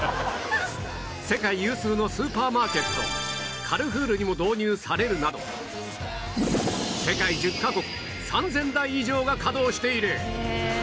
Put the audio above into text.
世界有数のスーパーマーケットカルフールにも導入されるなど世界１０カ国３０００台以上が稼働している